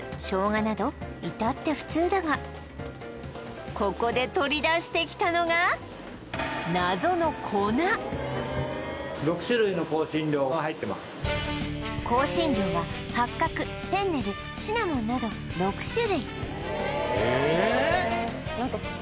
生姜などいたって普通だがここで取り出してきたのが香辛料は八角フェンネルシナモンなど６種類えっ？